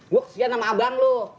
gue kesian sama abang lu